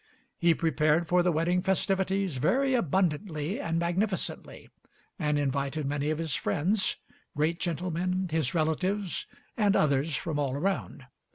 He prepared for the wedding festivities very abundantly and magnificently, and invited many of his friends, great gentlemen, his relatives and others from all around.